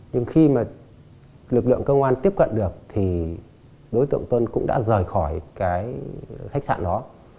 nhưng khi mà lực lượng công an tiếp cận được thì đối tượng tuân cũng đã rời khỏi cái khách sạn đó